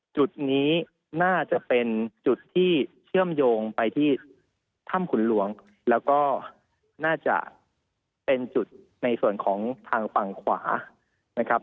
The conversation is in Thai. จุดนี้น่าจะเป็นจุดที่เชื่อมโยงไปที่ถ้ำขุนหลวงแล้วก็น่าจะเป็นจุดในส่วนของทางฝั่งขวานะครับ